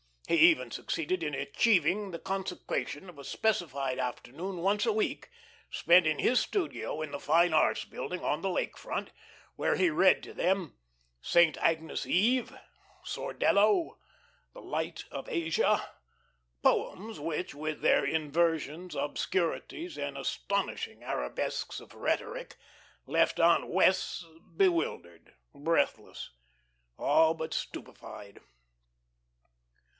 He even succeeded in achieving the consecration of a specified afternoon once a week, spent in his studio in the Fine Arts' Building on the Lake Front, where he read to them "Saint Agnes Eve," "Sordello," "The Light of Asia" poems which, with their inversions, obscurities, and astonishing arabesques of rhetoric, left Aunt Wess' bewildered, breathless, all but stupefied.